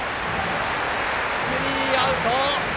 スリーアウト。